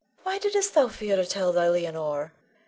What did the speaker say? Why didst thou fear to tell thy Leonore?